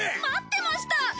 待ってました！